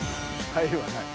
入るはない？